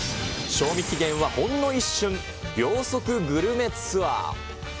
賞味期限はほんの一瞬、秒速グルメツアー。